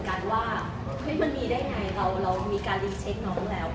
ก่อนถ้านี่มันมีสัญญาคนที่จะเลิกกันตรงไหน